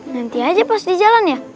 nanti aja pos di jalan ya